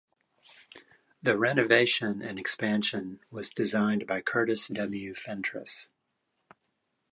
The renovation and expansion was designed by Curtis W. Fentress.